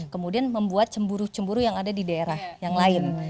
kemudian membuat cemburu cemburu yang ada di daerah yang lain